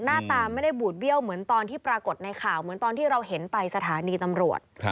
หน้าตาไม่ได้บูดเบี้ยวเหมือนตอนที่ปรากฏในข่าวเหมือนตอนที่เราเห็นไปสถานีตำรวจ